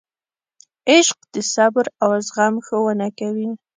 عشق د صبر او زغم ښوونه کوي.